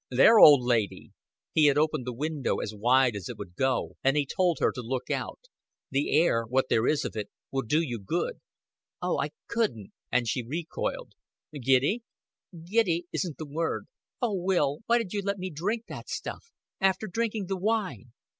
"There, old lady." He had opened the window as wide as it would go, and he told her to look out. "The air what there is of it will do you good." "Oh, I couldn't," and she recoiled. "Giddy?" "Giddy isn't the word. Oh, Will, why did you let me drink that stuff after drinking the wine?"